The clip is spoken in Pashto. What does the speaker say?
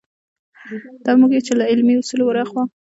دا موږ یو چې له علمي اصولو وراخوا.